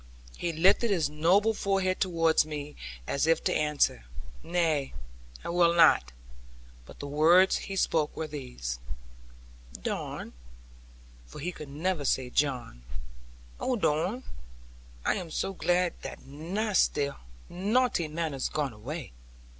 He lifted his noble forehead towards me, as if to answer, "Nay, I will not": but the words he spoke were these: 'Don,' for he could never say 'John' 'oh, Don, I am so glad that nasty naughty man is gone away.